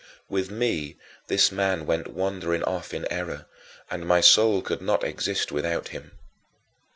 With me this man went wandering off in error and my soul could not exist without him.